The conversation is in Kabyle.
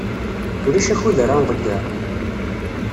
Ulac akud ara nḍeyyeɛ.